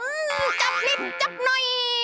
จับนิดจับหน่อย